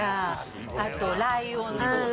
あとライオンとか。